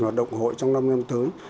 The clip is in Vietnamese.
hoạt động hội trong năm năm tới